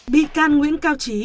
bị can nguyễn cao trí